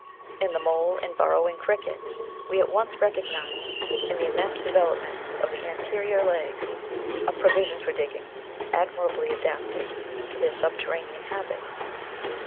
In the mole and burrowing cricket we at once recognise in the im mense development of the anterior legs a provision for digging, admirably adapted to their subterranean habits."